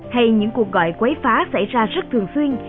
hay những cuộc gọi quấy phá xảy ra rất thường xuyên